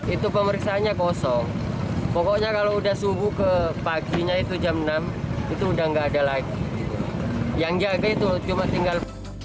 itu pemeriksaannya kosong pokoknya kalau udah subuh ke paginya itu jam enam itu udah nggak ada lagi yang jaga itu cuma tinggal